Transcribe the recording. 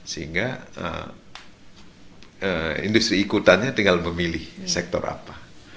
sehingga industri ikutannya tinggal memilih sektor apa